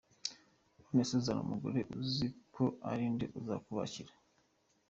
None se uzana umugore uzi ko ari nde uzakubakira.